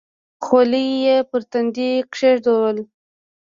خولۍ یې پر تندي کېښوده.